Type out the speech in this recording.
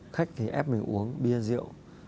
khách thì ép mình uống bia rượu